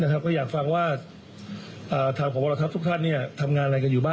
ก็อยากฟังว่าตรับผอบเหล้าทรัพย์ทุกท่านทำงานอะไรกันอยู่